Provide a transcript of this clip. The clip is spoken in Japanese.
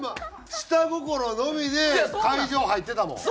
下心のみで会場入ってたもん。